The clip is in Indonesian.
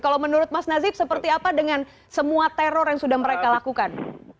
kalau menurut mas nazib seperti apa dengan semua teror yang sudah mereka lakukan